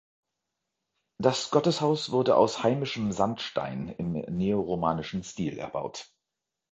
Das Gotteshaus wurde aus heimischem Sandstein im neoromanischen Stil erbaut.